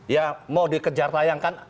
ya mau dikejar tayangkan